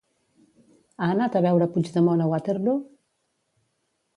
Ha anat a veure Puigdemont a Waterloo?